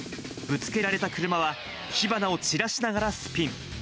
ぶつけられた車は、火花を散らしながらスピン。